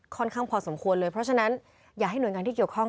ข้างพอสมควรเลยเพราะฉะนั้นอยากให้หน่วยงานที่เกี่ยวข้อง